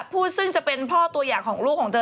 ผู้ซึ่งจะเป็นพ่อตัวอย่างของลูกของเธอ